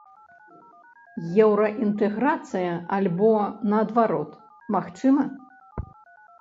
Еўраінтэграцыя альбо, наадварот, магчыма?